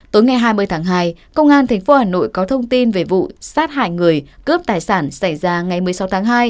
tối ngày hai mươi tháng hai công an tp hà nội có thông tin về vụ sát hại người cướp tài sản xảy ra ngày một mươi sáu tháng hai